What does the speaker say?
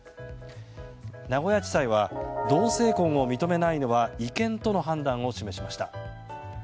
名古屋地裁は同性婚を認めないのは違憲との判断を示しました。